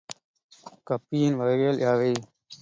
கப்பியின் வகைகள் யாவை?